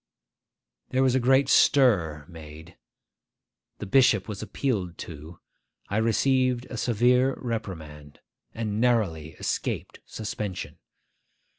There was a great stir made, the bishop was appealed to, I received a severe reprimand, and narrowly escaped suspension.